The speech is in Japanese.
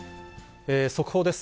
速報です。